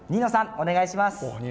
お願いします。